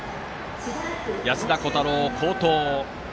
安田虎汰郎、好投。